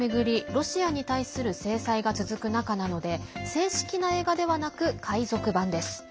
ロシアに対する制裁が続く中なので正式な映画ではなく海賊版です。